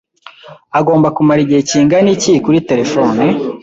Agomba kumara igihe kingana iki kuri terefone?